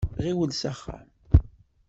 Ɣiwel s axxam.